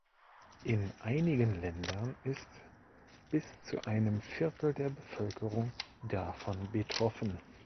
In einigen Ländern ist bis zu einem Viertel der Bevölkerung davon betroffen.